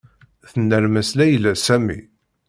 Tennermes Layla Sami.